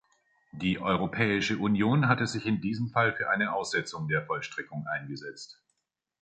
Die Europäische Union hatte sich in diesem Fall für eine Aussetzung der Vollstreckung eingesetzt.